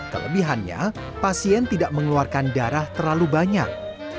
kelebihannya pasien tidak mengeluarkan darah terlalu banyak